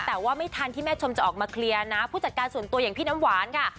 แต่ว่าไม่ทันที่แม่ชมจะออกมาเคลียร์นะผู้จัดการส่วนตัวอย่างพี่น้ำหวานค่ะ